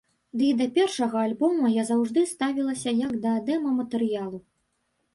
Ды і да першага альбома я заўжды ставілася, як да дэма-матэрыялу.